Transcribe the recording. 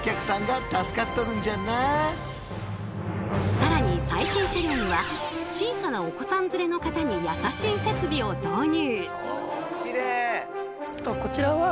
更に最新車両には小さなお子さん連れの方に優しい設備を導入。